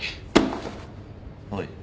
おい。